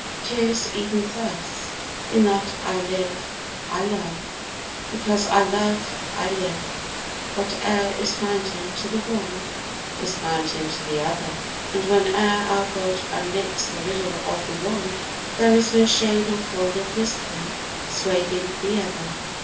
'Tis even thus: In that I live I love; because I love I live: whate'er is fountain to the one Is fountain to the other; and whene'er Our God unknits the riddle of the one, There is no shade or fold of mystery Swathing the other.